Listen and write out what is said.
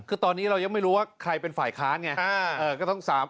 คือตอนนี้เรายังไม่รู้ว่าใครเป็นฝ่ายค้านไง